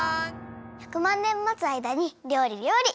１００まんねん待つあいだにりょうりりょうり。